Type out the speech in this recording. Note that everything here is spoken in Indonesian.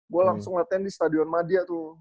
gue langsung latihan di stadion madia tuh